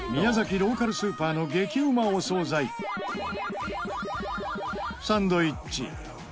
ローカルスーパーの激ウマお惣菜サンドイッチ。